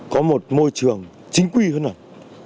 có một môi trường chính quy hơn